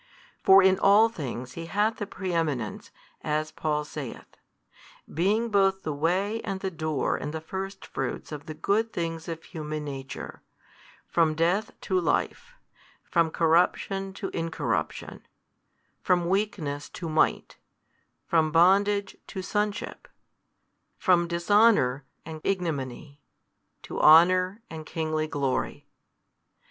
For in all things He hath the preeminence, as Paul saith, being both the Way and the Door and the Firstfruits of the good things of human nature, from death to life, from corruption to incorruption, from weakness to might, from bondage to sonship, from dishonour and ignominy to honour and kingly glory.